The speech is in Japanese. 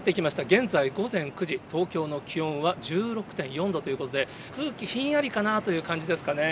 現在午前９時、東京の気温は１６．４度ということで、空気ひんやりかなという感じですかね。